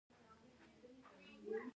د سکینډینیویايي ادبیاتو اړخونه پکې شامل دي.